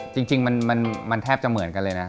จริงมันแทบจะเหมือนกันเลยนะ